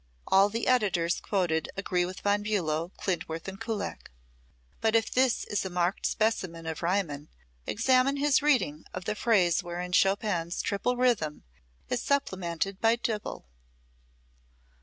All the editors quoted agree with Von Bulow, Klindworth and Kullak. But if this is a marked specimen of Riemann, examine his reading of the phrase wherein Chopin's triple rhythm is supplanted by duple.